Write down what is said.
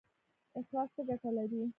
اخلاص څه ګټه لري؟